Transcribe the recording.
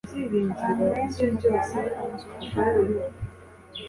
abantu benshi mujyana ku nzu y'ubwami